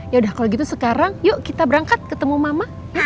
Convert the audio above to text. yaudah sekarang yuk kita berangkat ketemu mama